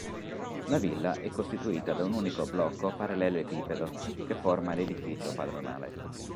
La villa è costituita da un unico blocco parallelepipedo, che forma l'edificio padronale.